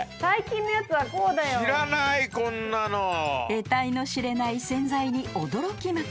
［えたいの知れない洗剤に驚きまくり］